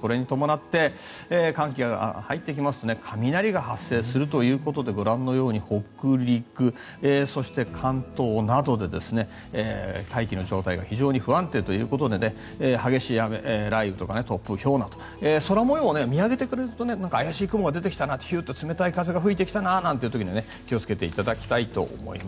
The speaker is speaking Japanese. これに伴って寒気が入ってきますと雷が発生するということでご覧のように北陸、そして関東などで大気の状態が非常に不安定ということで激しい雨雷雨とか突風、ひょうなど空模様、見上げてくれると怪しい雲が出てきたなとヒューッと冷たい風が吹いてきたなと思ったら気をつけていただきたいと思います。